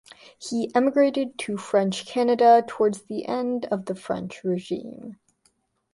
He emigrated to French Canada towards the end of the French Regime.